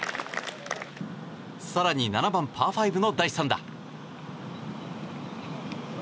更に７番、パー５の第３打。